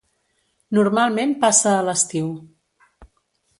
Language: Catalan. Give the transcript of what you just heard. Normalment passa a l'estiu.